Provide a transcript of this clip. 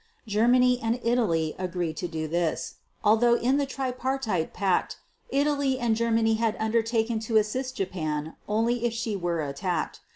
Germany and Italy agreed to do this, although in the Tripartite Pact, Italy and Germany had undertaken to assist Japan only if she were attacked.